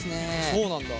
そうなんだ！